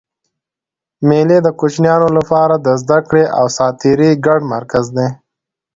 مېلې د کوچنيانو له پاره د زدهکړي او ساتېري ګډ مرکز دئ.